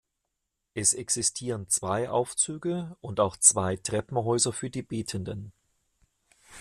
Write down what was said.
Es existieren zwei Aufzüge und auch zwei Treppenhäuser für die Betenden.